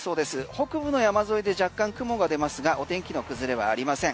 北部の山沿いで若干、雲が出ますがお天気の崩れはありません。